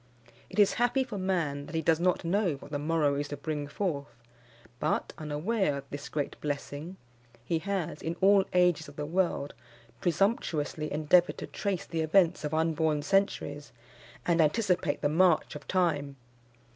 It is happy for man that he does not know what the morrow is to bring forth; but, unaware of this great blessing, he has, in all ages of the world, presumptuously endeavoured to trace the events of unborn centuries, and anticipate the march of time.